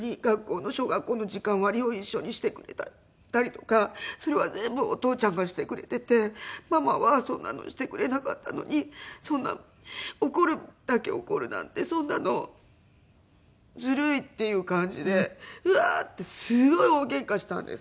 「小学校の時間割を一緒にしてくれたりとかそれは全部お父ちゃんがしてくれていてママはそんなのしてくれなかったのに怒るだけ怒るなんてそんなのずるい」っていう感じでウワーッてすごい大ゲンカしたんです。